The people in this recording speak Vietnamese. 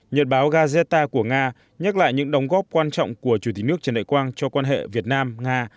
nhật báo gazeta của nga nhắc lại những đóng góp quan trọng của chủ tịch nước trần đại quang cho quan hệ việt nam nga